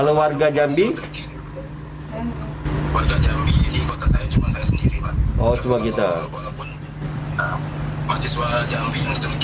walaupun mahasiswa jambi yang di turki itu ada tiga puluh sembilan yang cuma di kota mereka aman